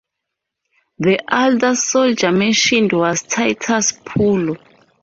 The other soldier mentioned was Titus Pullo.